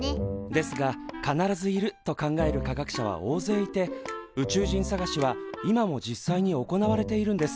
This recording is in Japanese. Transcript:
ですが必ずいると考える科学者は大勢いて宇宙人探しは今も実際に行われているんです。